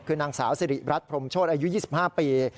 คือนางสาวสิริรัตนพรมโชธอายุ๒๕ปี